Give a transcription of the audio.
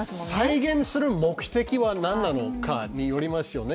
再現する目的は何なのかによりますよね。